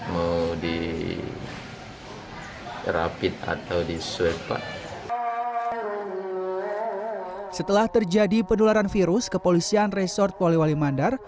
mau di rapit atau disuai pak setelah terjadi penularan virus kepolisian resort wali mandar